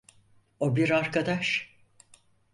O bir arkadaş.